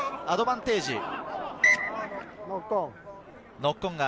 アドバンテージ。